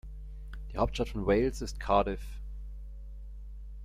Die Hauptstadt von Wales ist Cardiff.